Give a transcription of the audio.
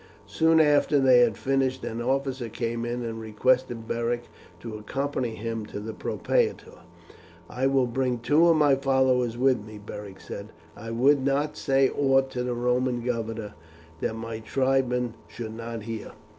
Soon after they had finished an officer came in and requested Beric to accompany him to the propraetor. "I will bring two of my followers with me," Beric said. "I would not say aught to the Roman governor that my tribesmen should not hear."